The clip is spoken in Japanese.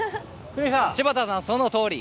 柴田さん、そのとおり！